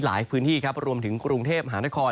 หลายพื้นที่ครับรวมถึงกรุงเทพมหานคร